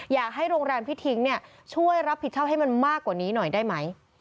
อยากให้โรงแรมที่ทิ้งช่วยรับผิดชอบให้มันมากกว่านี้หน่อยได้ไหม